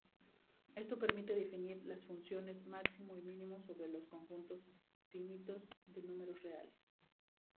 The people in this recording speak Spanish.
Esto permite definir las funciones máximo y mínimo sobre conjuntos finitos de números reales.